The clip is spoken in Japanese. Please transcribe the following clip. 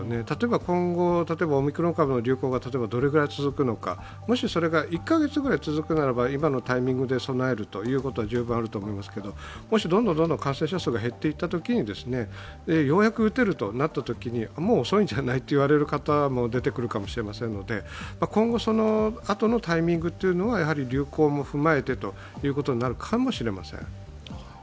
例えば今後、オミクロン株の流行がどれぐらい続くのか、もしそれが１カ月ぐらい続くならば今のタイミングで備えるということは十分あると思いますがどんどん感染者数が減っていったときにようやく打てるとなったときにもう遅いんじゃない？という方も出てくるかもしれませんので今後そのあとのタイミングは流行も踏まえてということになるかもしれません。